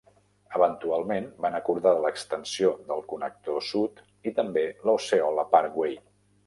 Eventualment, van acordar l'Extensió del Connector Sud, i també la Osceola Parkway.